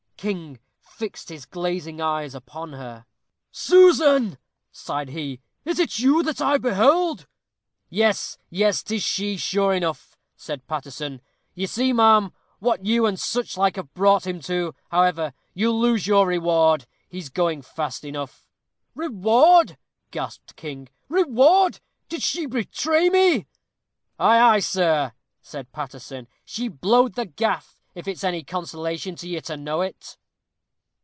King fixed his glazing eyes upon her. "Susan!" sighed he, "is it you that I behold?" "Yes, yes, 'tis she, sure enough," said Paterson. "You see, ma'am, what you and such like have brought him to. However, you'll lose your reward; he's going fast enough." "Reward!" gasped King; "reward! Did she betray me?" "Ay, ay, sir," said Paterson, "she blowed the gaff, if it's any consolation to you to know it."